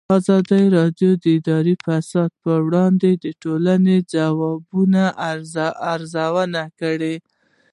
ازادي راډیو د اداري فساد په اړه د ټولنې د ځواب ارزونه کړې.